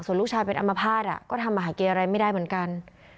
ส่วนลูกชายเป็นอัมพาตก็ทำมาหากินอะไรไม่ได้เหมือนกัน